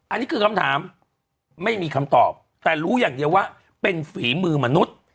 อันนี้คือคำถามไม่มีคำตอบแต่รู้อย่างเดียวว่าเป็นฝีมือมนุษย์